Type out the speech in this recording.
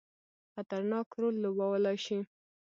خطرناک رول لوبولای شي.